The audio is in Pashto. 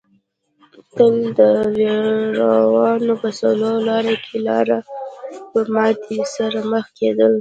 تل د وېرونا په څلور لاره کې له ماتې سره مخ کېدل.